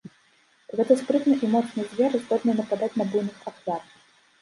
Гэта спрытны і моцны звер, здольны нападаць на буйных ахвяр.